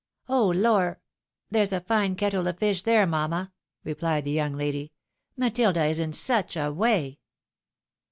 " Oh lor !— There's a fine kettle of fish there, mamma," replied the young lady. " Matilda is in such a way